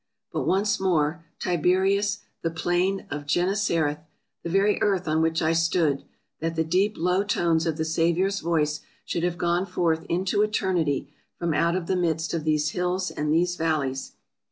But once more —" Tiberias — the plain of Gennesareth — the very earth on which I stood — that the deep, low tones of the Saviour's voice should have gone forth into Eternity from out of the midst of these hills and these valleys!"